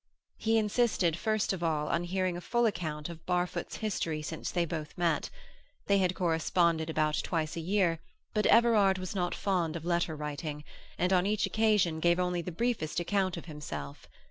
He insisted, first of all, on hearing a full account of Barfoot's history since they both met. They had corresponded about twice a year, but Everard was not fond of letter writing, and on each occasion gave only the briefest account of himself.